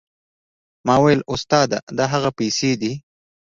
ما وويل استاده دا هغه پيسې دي.